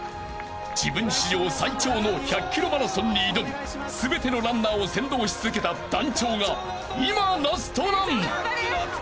［自分史上最長の１００ｋｍマラソンに挑み全てのランナーを先導し続けた団長が今ラストラン］